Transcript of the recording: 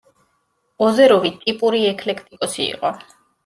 ოზეროვი ტიპური ექლექტიკოსი იყო.